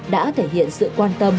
đã thể hiện sự quan tâm